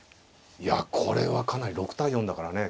いやこれはかなり６対４だからね